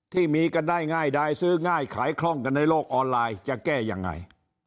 ที่มีกันได้ง่ายดายซื้อง่ายขายคล่องกันในโลกออนไลน์จะแก้ยังไง